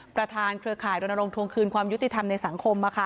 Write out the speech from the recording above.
เครือข่ายรณรงควงคืนความยุติธรรมในสังคม